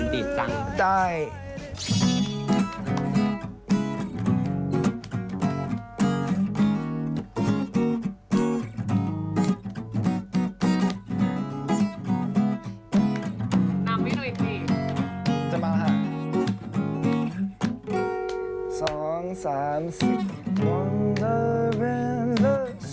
ดิดกิตาร์พอด์จริงหรือเปล่า